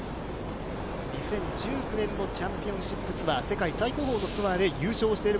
２０１９年のチャンピオンシップツアー、世界最高峰のツアーで優勝している